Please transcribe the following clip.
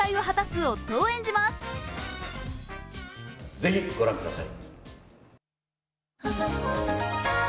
ぜひ御覧ください。